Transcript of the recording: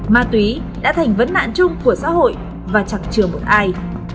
ma túy đã thành vấn nạn chung của xã hội và chẳng chừa một ai